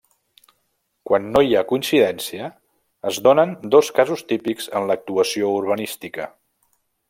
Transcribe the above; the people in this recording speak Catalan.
Quan no hi ha coincidència es donen dos casos típics en l'actuació urbanística.